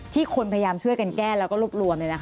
คนพยายามช่วยกันแก้แล้วก็รวบรวม